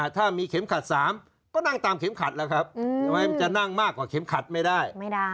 ถ้ามีเข็มขัด๓ก็นั่งตามเข็มขัดจะนั่งมากกว่าเข็มขัดไม่ได้